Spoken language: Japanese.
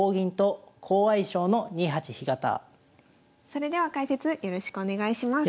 それでは解説よろしくお願いします。